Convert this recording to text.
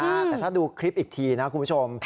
แต่ถ้าดูคลิปอีกทีนะคุณผู้ชม